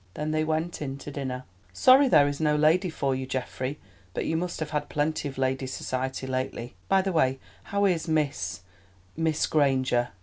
Then they went in to dinner. "Sorry there is no lady for you, Geoffrey; but you must have had plenty of ladies' society lately. By the way, how is Miss—Miss Granger?